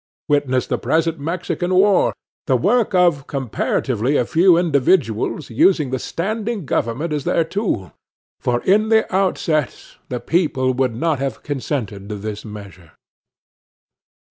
Witness the present Mexican war, the work of comparatively a few individuals using the standing government as their tool; for, in the outset, the people would not have consented to this measure.